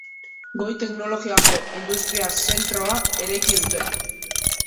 Goi-teknologiako industria zentroa eraiki dute.